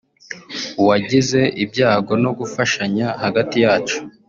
uwagize ibyago no gufashanya hagati yacu